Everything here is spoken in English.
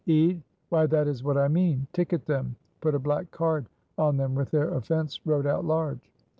Ede. "Why that is what I mean. Ticket them put a black card on them with their offense wrote out large."